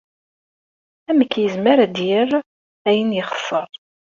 Amek yezmer ad d-yerr ayen yexser?